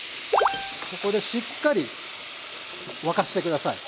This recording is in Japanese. ここでしっかり沸かして下さい。